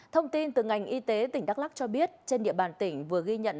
thông tin từ ngành y tế tỉnh đắk lắc cho biết trên địa bàn tỉnh vừa ghi nhận